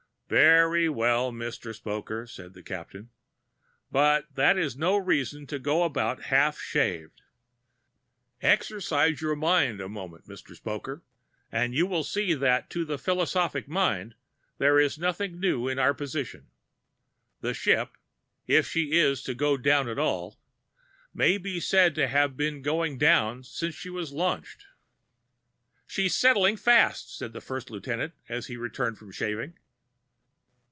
"Very well, Mr. Spoker," said the Captain; "but that is no reason for going about half shaved. Exercise your mind a moment, Mr. Spoker, and you will see that to the philosophic eye there is nothing new in our position: the ship (if she is to go down at all) may be said to have been going down since she was launched." "She is settling fast," said the first lieutenant, as he returned from shaving.